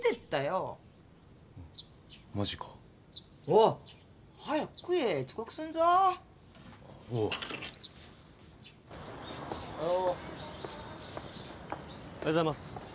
おはようございます。